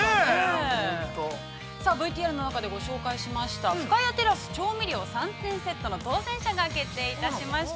◆さあ、ＶＴＲ中で紹介しました「深谷テラス調味料３点セット」の当せん者が決定いたしました。